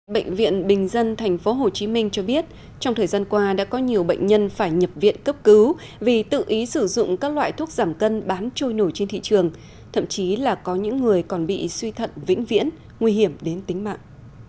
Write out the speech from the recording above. bệnh viện bình dân tp hcm cho biết trong thời gian qua đã có nhiều bệnh nhân phải nhập viện cấp cứu vì tự ý sử dụng các loại thuốc giảm cân bán trôi nổi trên thị trường thậm chí là có những người còn bị suy thận vĩnh viễn nguy hiểm đến tính mạng